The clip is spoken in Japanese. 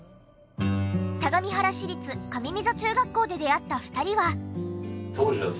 相模原市立上溝中学校で出会った２人は。